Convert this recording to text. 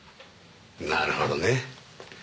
なるほどね。